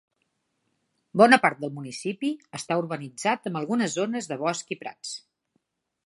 Bona part del municipi està urbanitzat amb algunes zones de bosc i prats.